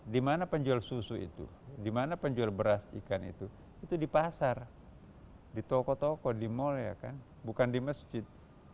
di mana penjual susu itu di mana penjual beras ikan itu itu di pasar di toko toko di mall bukan di masjid